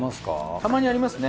たまにありますね